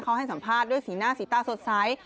เขาให้สัมภาษณ์ด้วยสีหน้าสีตาสดใส